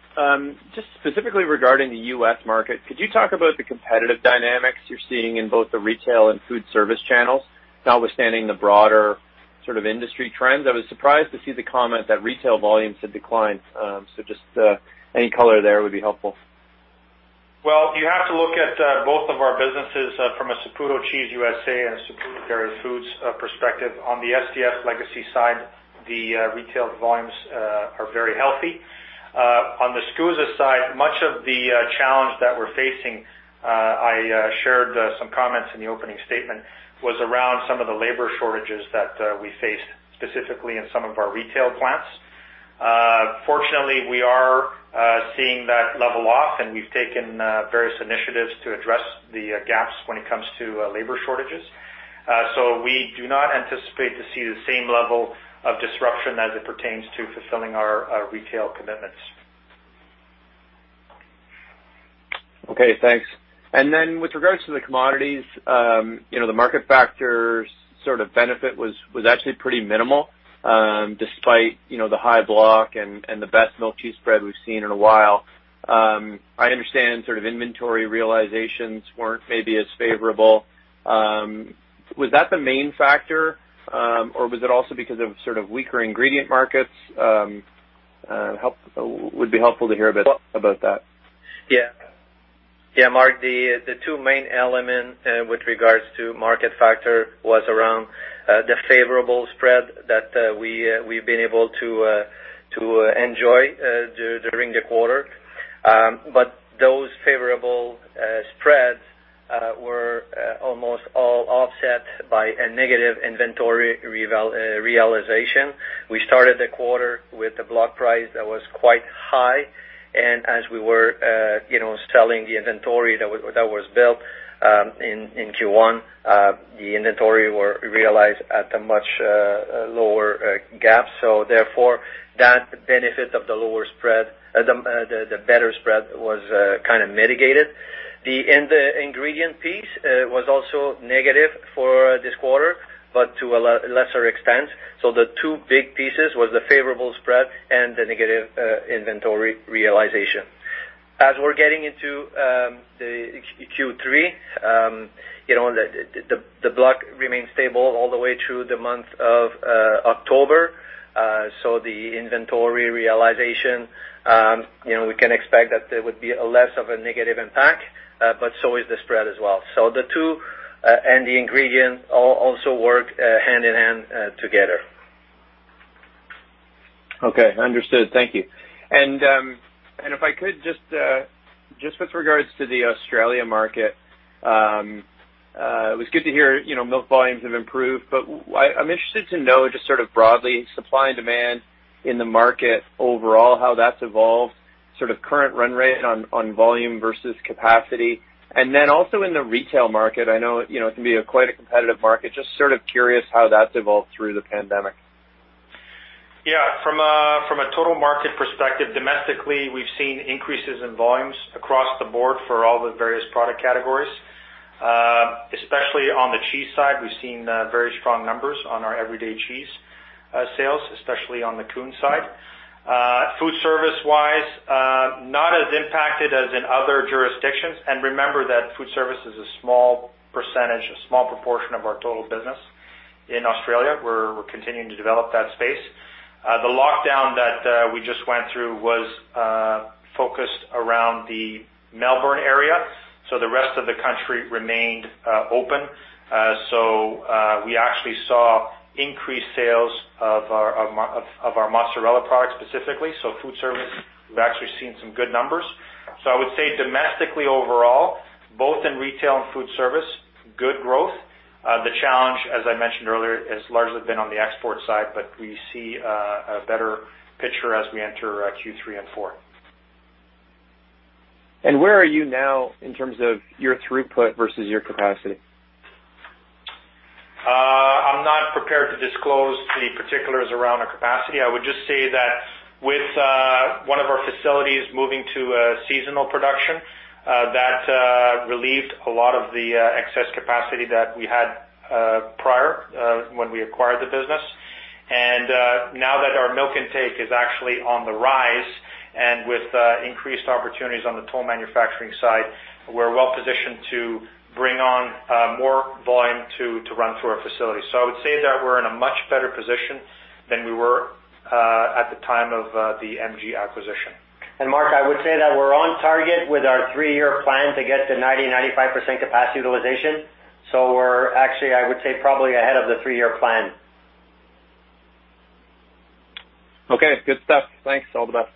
Just specifically regarding the U.S. market, could you talk about the competitive dynamics you're seeing in both the retail and food service channels, notwithstanding the broader sort of industry trends? I was surprised to see the comment that retail volumes had declined. Any color there would be helpful. Well, you have to look at both of our businesses from a Saputo Cheese USA and a Saputo Dairy Foods perspective. On the SDF legacy side, the retail volumes are very healthy. On the SCUSA side, much of the challenge that we're facing, I shared some comments in the opening statement, was around some of the labor shortages that we faced, specifically in some of our retail plants. Fortunately, we are seeing that level off, and we've taken various initiatives to address the gaps when it comes to labor shortages. We do not anticipate to see the same level of disruption as it pertains to fulfilling our retail commitments. Okay, thanks. With regards to the commodities, the market factors sort of benefit was actually pretty minimal, despite the high block and the best milk cheese spread we've seen in a while. I understand sort of inventory realizations weren't maybe as favorable. Was that the main factor? Was it also because of sort of weaker ingredient markets? Would be helpful to hear a bit about that. Yeah. Mark, the two main elements with regards to market factor was around the favorable spread that we've been able to enjoy during the quarter. Those favorable spreads were almost all offset by a negative inventory realization. We started the quarter with a block price that was quite high, and as we were selling the inventory that was built in Q1, the inventory were realized at a much lower gap. Therefore, that benefit of the better spread was kind of mitigated. The ingredient piece was also negative for this quarter, but to a lesser extent. The two big pieces was the favorable spread and the negative inventory realization. As we're getting into Q3, the block remained stable all the way through the month of October. The inventory realization, we can expect that there would be a less of a negative impact, but so is the spread as well. The two and the ingredient also work hand-in-hand together. Okay, understood. Thank you. If I could just with regards to the Australia market, it was good to hear milk volumes have improved, but I'm interested to know, just sort of broadly, supply and demand in the market overall, how that's evolved, sort of current run rate on volume versus capacity. Then also in the retail market, I know it can be quite a competitive market. Just sort of curious how that's evolved through the pandemic. Yeah, from a total market perspective, domestically, we've seen increases in volumes across the board for all the various product categories. Especially on the cheese side, we've seen very strong numbers on our everyday cheese sales, especially on the Cheer side. Food service-wise, not as impacted as in other jurisdictions. Remember that food service is a small percentage, a small proportion of our total business in Australia. We're continuing to develop that space. The lockdown that we just went through was focused around the Melbourne area. The rest of the country remained open. We actually saw increased sales of our mozzarella product specifically. Food service, we've actually seen some good numbers. I would say domestically overall, both in retail and food service, good growth. The challenge, as I mentioned earlier, has largely been on the export side, but we see a better picture as we enter Q3 and Q4. Where are you now in terms of your throughput versus your capacity? I'm not prepared to disclose the particulars around our capacity. I would just say that with one of our facilities moving to seasonal production, that relieved a lot of the excess capacity that we had prior, when we acquired the business. Now that our milk intake is actually on the rise and with increased opportunities on the toll manufacturing side, we're well-positioned to bring on more volume to run through our facility. I would say that we're in a much better position than we were at the time of the MG acquisition. Mark, I would say that we're on target with our three-year plan to get to 90%-95% capacity utilization. We're actually, I would say, probably ahead of the three-year plan. Okay, good stuff. Thanks. All the best.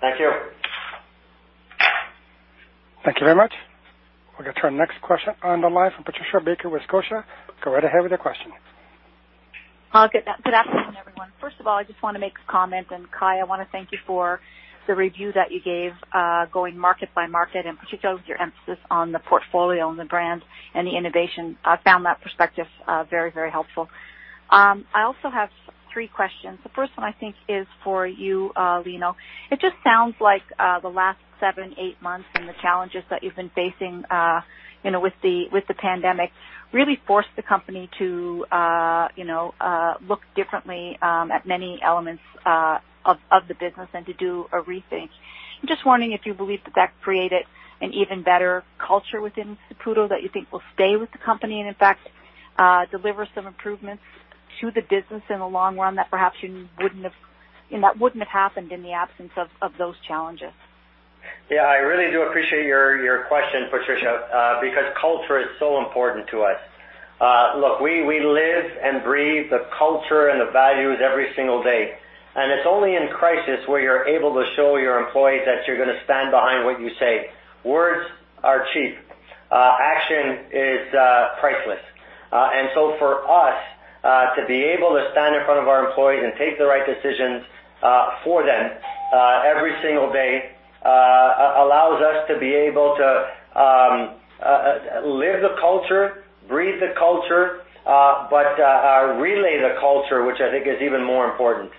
Thank you. Thank you very much. We'll get to our next question on the line from Patricia Baker with Scotia. Go right ahead with your question. I'll get to that one, everyone. First of all, I just want to make a comment, and Kai, I want to thank you for the review that you gave, going market by market, and particularly your emphasis on the portfolio and the brands and the innovation. I found that perspective very, very helpful. I also have three questions. The first one I think is for you, Lino. It just sounds like the last seven, eight months and the challenges that you've been facing with the pandemic really forced the company to look differently at many elements of the business and to do a rethink. I'm just wondering if you believe that that created an even better culture within Saputo that you think will stay with the company and, in fact, deliver some improvements to the business in the long run that perhaps wouldn't have happened in the absence of those challenges? Yeah, I really do appreciate your question, Patricia, because culture is so important to us. Look, we live and breathe the culture and the values every single day, and it's only in crisis where you're able to show your employees that you're going to stand behind what you say. Words are cheap. Action is priceless. For us, to be able to stand in front of our employees and take the right decisions for them every single day, allows us to be able to live the culture, breathe the culture, but relay the culture, which I think is even more important.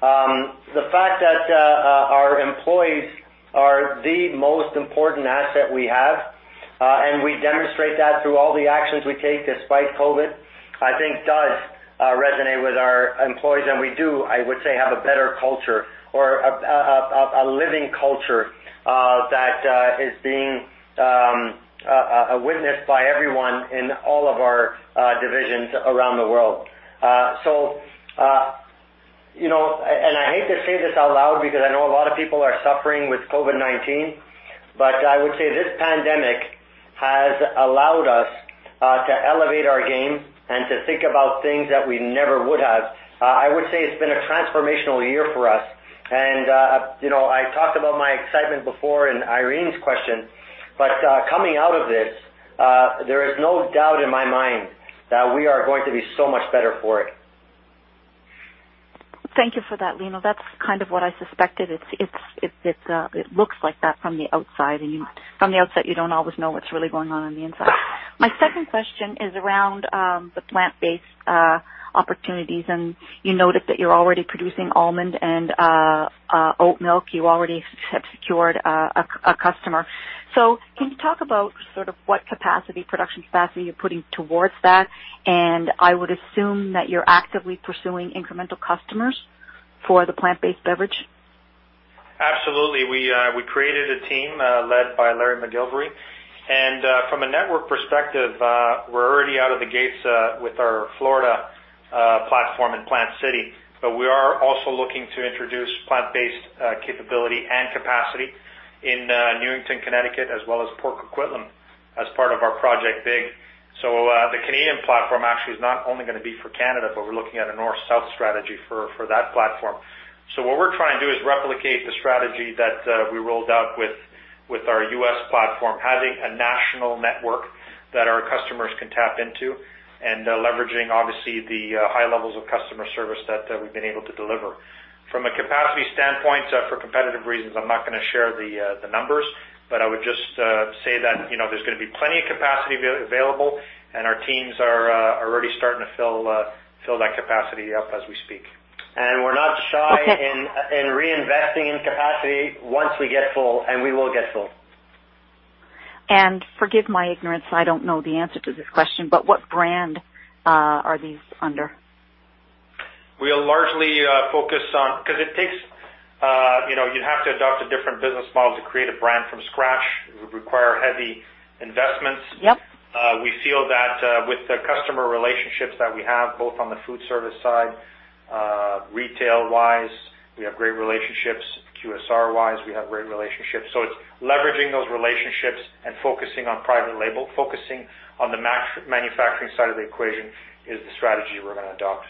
The fact that our employees are the most important asset we have, and we demonstrate that through all the actions we take despite COVID, I think, does resonate with our employees. We do, I would say, have a better culture or a living culture that is being witnessed by everyone in all of our divisions around the world. I hate to say this out loud because I know a lot of people are suffering with COVID-19, but I would say this pandemic has allowed us to elevate our game and to think about things that we never would have. I would say it's been a transformational year for us. I talked about my excitement before in Irene's question, but coming out of this, there is no doubt in my mind that we are going to be so much better for it. Thank you for that, Lino. That's kind of what I suspected. It looks like that from the outside, and from the outside, you don't always know what's really going on the inside. My second question is around the plant-based opportunities, and you noted that you're already producing almond and oat milk. You already have secured a customer. Can you talk about sort of what production capacity you're putting towards that? I would assume that you're actively pursuing incremental customers for the plant-based beverage. Absolutely. We created a team led by Lino Saputo, Jr. From a network perspective, we're already out of the gates with our Florida platform in Plant City, but we are also looking to introduce plant-based capability and capacity in Newington, Connecticut, as well as Port Coquitlam as part of our Project Big. The Canadian platform actually is not only gonna be for Canada, but we're looking at a north-south strategy for that platform. What we're trying to do is replicate the strategy that we rolled out with our U.S. platform, having a national network that our customers can tap into and leveraging, obviously, the high levels of customer service that we've been able to deliver. From a capacity standpoint, for competitive reasons, I'm not gonna share the numbers, but I would just say that there's gonna be plenty of capacity available. Our teams are already starting to fill that capacity up as we speak. We're not shy in reinvesting in capacity once we get full, and we will get full. Forgive my ignorance, I don't know the answer to this question, but what brand are these under? We are largely focused on. You'd have to adopt a different business model to create a brand from scratch. It would require heavy investments. Yep. We feel that with the customer relationships that we have, both on the food service side, retail-wise, we have great relationships, QSR-wise, we have great relationships. It's leveraging those relationships and focusing on private label, focusing on the manufacturing side of the equation is the strategy we're gonna adopt.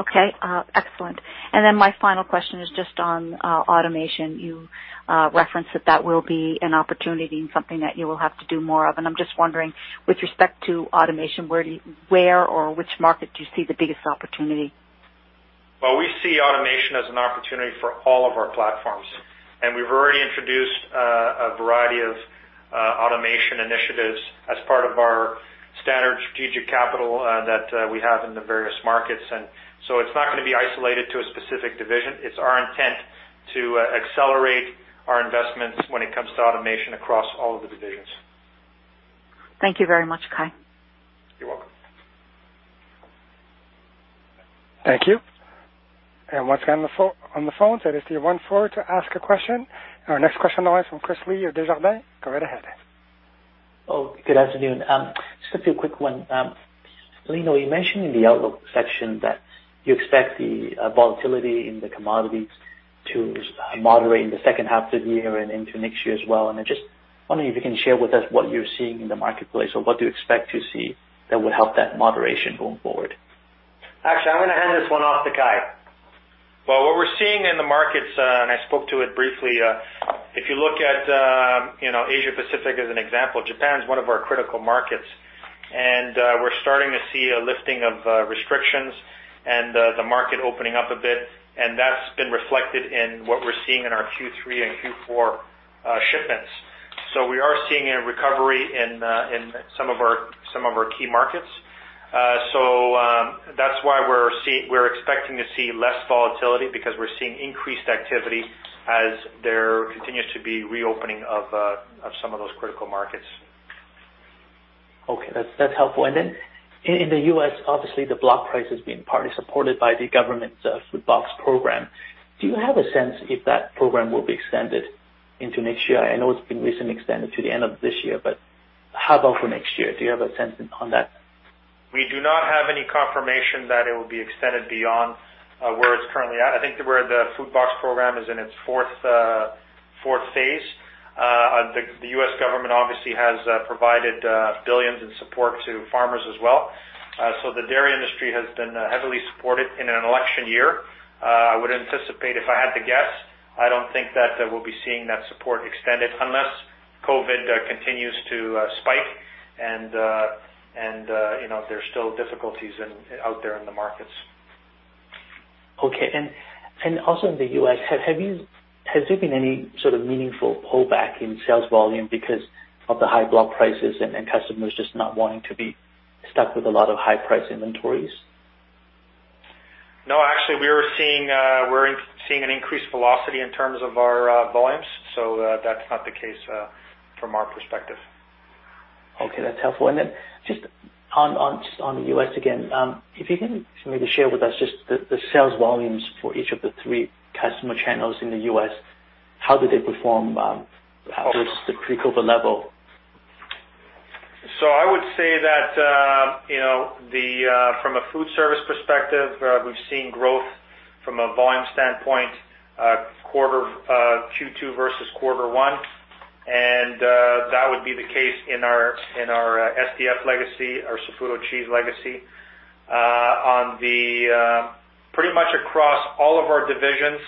Okay. Excellent. My final question is just on automation. You referenced that that will be an opportunity and something that you will have to do more of, I'm just wondering, with respect to automation, where or which market do you see the biggest opportunity? Well, we see automation as an opportunity for all of our platforms, and we've already introduced a variety of automation initiatives as part of our standard strategic capital that we have in the various markets. It's not gonna be isolated to a specific division. It's our intent to accelerate our investments when it comes to automation across all of the divisions. Thank you very much, Kai. You're welcome. Thank you. Once again, on the phone, press star one four to ask a question. Our next question now is from Chris Li of Desjardins. Go right ahead. Oh, good afternoon. Just a quick one. Lino, you mentioned in the outlook section that you expect the volatility in the commodities to moderate in the H2 of the year and into next year as well. I just wondering if you can share with us what you're seeing in the marketplace or what you expect to see that would help that moderation going forward. Actually, I'm gonna hand this one off to Kai. Markets. I spoke to it briefly. If you look at Asia Pacific as an example, Japan is one of our critical markets, and we're starting to see a lifting of restrictions and the market opening up a bit, and that's been reflected in what we're seeing in our Q3 and Q4 shipments. We are seeing a recovery in some of our key markets. That's why we're expecting to see less volatility because we're seeing increased activity as there continues to be reopening of some of those critical markets. Okay. That is helpful. In the U.S., obviously, the block price is being partly supported by the government's Food Box program. Do you have a sense if that program will be extended into next year? I know it has been recently extended to the end of this year, but how about for next year? Do you have a sense on that? We do not have any confirmation that it will be extended beyond where it's currently at. I think where the Food Box Program is in its fourth phase. The U.S. government obviously has provided billions in support to farmers as well. The dairy industry has been heavily supported in an election year. I would anticipate, if I had to guess, I don't think that we'll be seeing that support extended unless COVID continues to spike and there's still difficulties out there in the markets. Okay. Also in the U.S., has there been any sort of meaningful pullback in sales volume because of the high block prices and customers just not wanting to be stuck with a lot of high-price inventories? No, actually, we're seeing an increased velocity in terms of our volumes. That's not the case from our perspective. Okay, that's helpful. Just on the U.S. again, if you can maybe share with us just the sales volumes for each of the three customer channels in the U.S., how did they perform versus the pre-COVID level? I would say that from a food service perspective, we've seen growth from a volume standpoint Q2 versus Q1, and that would be the case in our SDF legacy, our Saputo Cheese legacy. Pretty much across all of our divisions,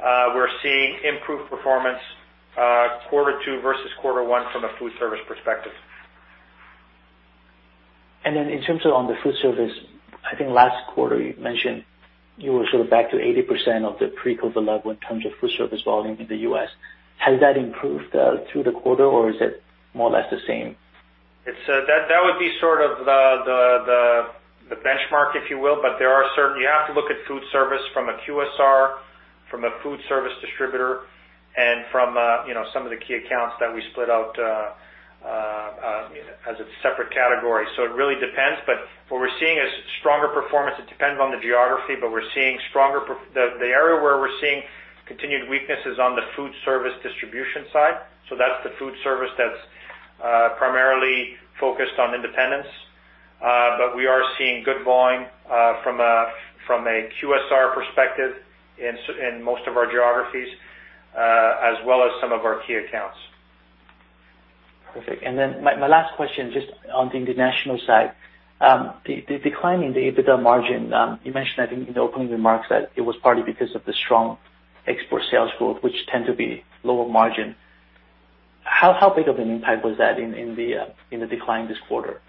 we're seeing improved performance Q2 versus Q1 from a food service perspective. Then in terms of on the food service, I think last quarter you mentioned you were sort of back to 80% of the pre-COVID level in terms of food service volume in the U.S. Has that improved through the quarter or is it more or less the same? That would be sort of the benchmark, if you will. You have to look at food service from a QSR, from a food service distributor, and from some of the key accounts that we split out as a separate category. It really depends, but what we're seeing is stronger performance. It depends on the geography, but the area where we're seeing continued weakness is on the food service distribution side. That's the food service that's primarily focused on independents. We are seeing good volume from a QSR perspective in most of our geographies, as well as some of our key accounts. Perfect. My last question, just on the international side. The decline in the EBITDA margin, you mentioned, I think, in the opening remarks that it was partly because of the strong export sales growth, which tend to be lower margin. How big of an impact was that in the decline this quarter?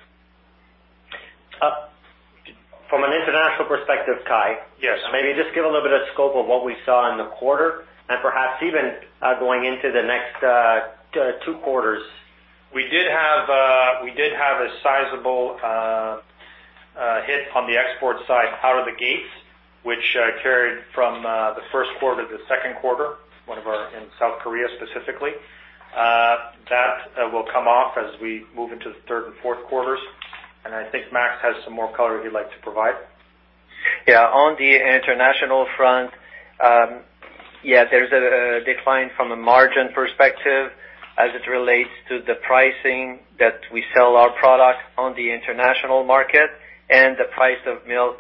From an international perspective, Kai- Yes. Maybe just give a little bit of scope of what we saw in the quarter and perhaps even going into the next two quarters. We did have a sizable hit on the export side out of the gates, which carried from the Q1 to the Q2, in South Korea specifically. That will come off as we move into the third and Q4s, and I think Max has some more color he'd like to provide. Yeah. On the international front, there's a decline from a margin perspective as it relates to the pricing that we sell our product on the international market and the price of milk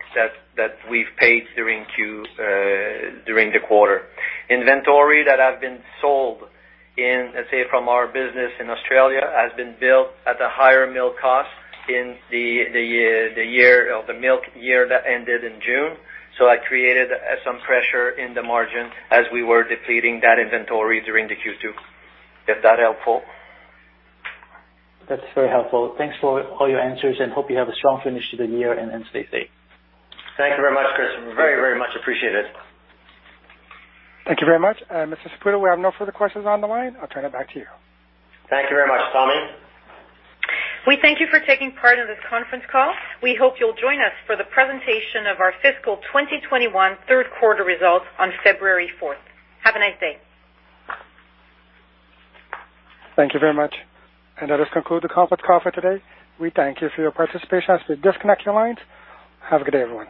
that we've paid during the quarter. Inventory that has been sold in, let's say, from our business in Australia, has been billed at a higher milk cost in the milk year that ended in June. That created some pressure in the margin as we were depleting that inventory during the Q2. Is that helpful? That's very helpful. Thanks for all your answers, and hope you have a strong finish to the year, and stay safe. Thank you very much, Chris. We very much appreciate it. Thank you very much. Mr. Saputo, we have no further questions on the line. I will turn it back to you. Thank you very much, Tommy. We thank you for taking part in this conference call. We hope you'll join us for the presentation of our fiscal 2021 Q3 results on February 4th. Have a nice day. Thank you very much. That does conclude the conference call for today. We thank you for your participation as we disconnect your lines. Have a good day, everyone.